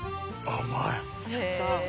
甘い。